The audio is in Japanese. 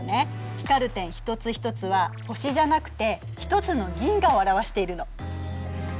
光る点一つ一つは星じゃなくて一つの銀河を表しているの。